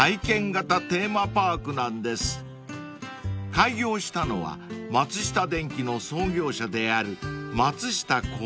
［開業したのは松下電器の創業者である］